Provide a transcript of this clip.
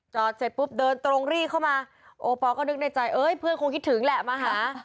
เสร็จปุ๊บเดินตรงรีเข้ามาโอปอลก็นึกในใจเอ้ยเพื่อนคงคิดถึงแหละมาหา